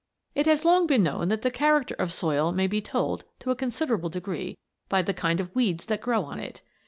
] It has long been known that the character of soil may be told, to a considerable degree, by the kind of weeds that grow on it.